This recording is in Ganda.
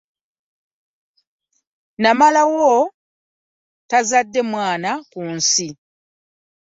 Namaalwa tazadde mwana ku nsi.